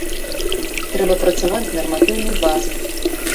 Трэба працаваць з нарматыўнай базай.